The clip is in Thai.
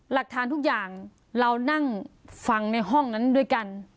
หลักฐานทุกอย่างเรานั่งฟังในห้องนั้นด้วยกัน